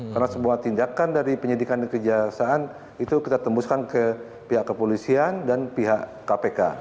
karena semua tindakan dari penyidikan dan kejaksaan itu kita tembuskan ke pihak kepolisian dan pihak kpk